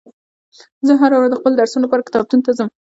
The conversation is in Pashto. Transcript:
زه هره ورځ د خپلو درسونو لپاره کتابتون ته ځم